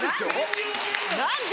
何で？